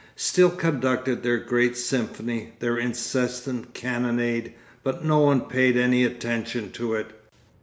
still conducted their great symphony, their incessant cannonade, but no one paid any attention to it.